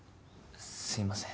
すいません。